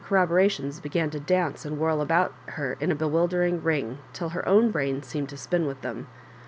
corroborations began to dance and whirl about her in a bewildering ring till her 0¥m brain seemed to spin with them.